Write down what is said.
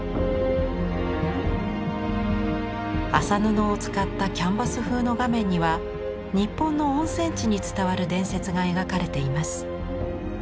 麻布を使ったキャンバス風の画面には日本の温泉地に伝わる伝説が描かれています。